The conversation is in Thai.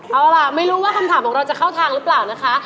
เอาล่ะไม่รู้ว่าคำถามของเราจะเข้าทางหรือเปล่านะคะ